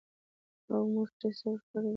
او موږ چې څه ورکړي دي